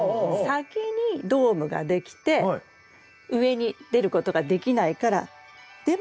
先にドームができて上に出ることができないからでも新芽が増えてくる。